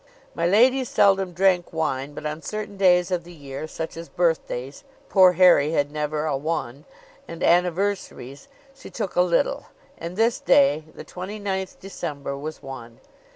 My lady seldom drank wine; but on certain days of the year, such as birthdays (poor Harry had never a one) and anniversaries, she took a little; and this day, the 29th December, was one.